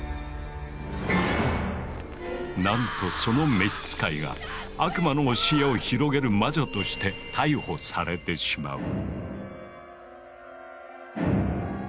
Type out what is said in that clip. なんとその召し使いが悪魔の教えを広げる魔女として逮捕されてしまう。